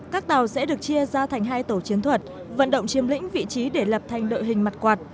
các tàu sẽ được chia ra thành hai tổ chiến thuật vận động chiếm lĩnh vị trí để lập thành đội hình mặt quạt